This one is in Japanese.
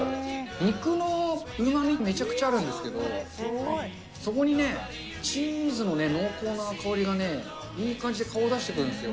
肉のうまみがめちゃくちゃあるんですけど、そこにね、チーズの濃厚な香りがね、いい感じで顔出してくるんですよ。